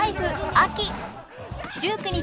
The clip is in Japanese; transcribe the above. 秋」